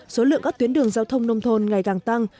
số lượng các tuyến đường giao thông nông thôn ngày càng tăng